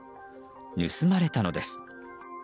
盗まれたのです。